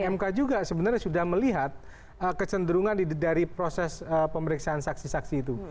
mk juga sebenarnya sudah melihat kecenderungan dari proses pemeriksaan saksi saksi itu